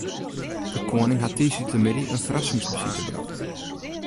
De koaning hat tiisdeitemiddei in ferrassingsbesite brocht.